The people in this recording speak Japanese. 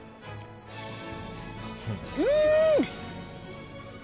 うん！